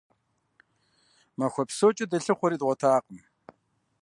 Махуэ псокӀэ дылъыхъуэри дгъуэтакъым.